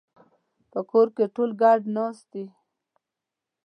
په کور کې ټول ګډ ناست دي